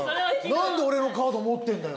「何で俺のカード持ってんだよ？」